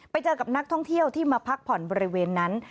ไปเจอกับนักท่องเที่ยวที่มาพักผ่อนบริเวณนั้น